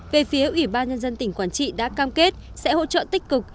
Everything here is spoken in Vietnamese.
về phía ủy ban nhân dân tỉnh quảng trị đã cam kết sẽ hỗ trợ tích cực